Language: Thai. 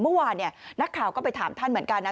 เมื่อวานนักข่าวก็ไปถามท่านเหมือนกันนะ